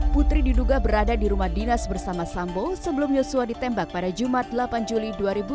putri diduga berada di rumah dinas bersama sambo sebelum yosua ditembak pada jumat delapan juli dua ribu dua puluh